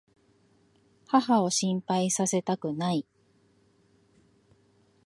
母を心配させたくない。